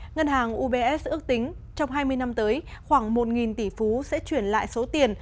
ngân hàng ubs ước tính trong hai mươi năm tới khoảng một tỷ phú sẽ chuyển lại số tiền